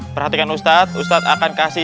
perhatikan ustaz ustaz akan kasih